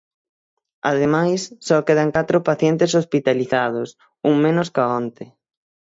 Ademais, só quedan catro pacientes hospitalizados, un menos ca onte.